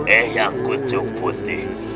eh yang kucuk putih